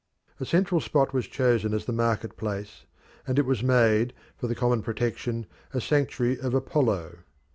A central spot was chosen as the market place, and it was made, for the common protection, a sanctuary of Apollo.